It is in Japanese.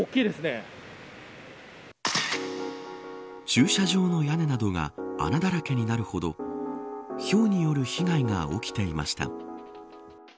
駐車場の屋根などが穴だらけになるほどひょうによる被害が起きていました。